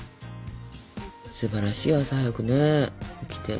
すばらしいよ朝早くね起きて。